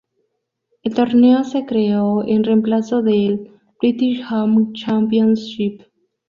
El torneo se creó en remplazo del British Home Championship.